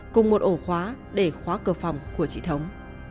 cùng một ổ khóa để khóa cửa phòng của chị thống